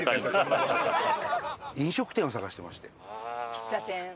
喫茶店。